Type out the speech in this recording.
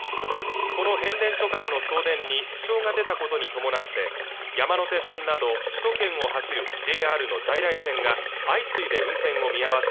この変電所からの送電に支障が出たことに伴って山手線など首都圏を走るＪＲの在来線が相次いで運転を見合わせ